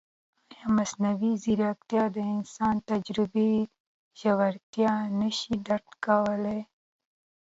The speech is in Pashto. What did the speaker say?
ایا مصنوعي ځیرکتیا د انساني تجربې ژورتیا نه شي درک کولی؟